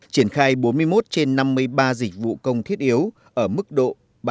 triển khai bốn mươi một trên năm mươi ba dịch vụ công thiết yếu ở mức độ ba